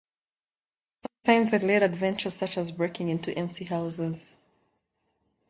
Sometimes I led adventures such as breaking into empty houses.